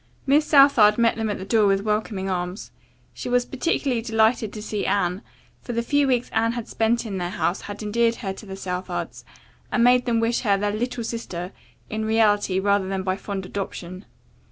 Miss Southard met them at the door with welcoming arms. She was particularly delighted to see Anne, for the few weeks Anne had spent in their house had endeared her to the Southards and made them wish her their "little sister" in reality rather than by fond adoption.